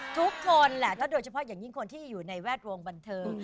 ทุกคนแหละถ้าโดยเฉพาะอย่างยิ่งคนที่อยู่ในแวดวงบันเทิง